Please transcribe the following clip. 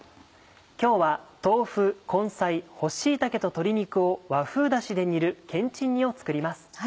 今日は豆腐根菜干し椎茸と鶏肉を和風だしで煮るけんちん煮を作ります。